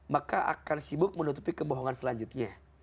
maka akan sibuk menutupi kebohongan selanjutnya